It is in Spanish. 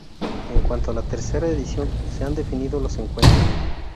En cuanto a la tercera edición, se han definido los encuentros.